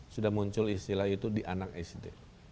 sudah muncul istilah itu di anak sd